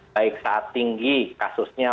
baik saat tinggi kasusnya